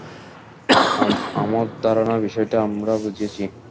আমর ধারণা বিষয়টা আমরা বুঝেছি।